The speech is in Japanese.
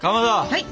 はい！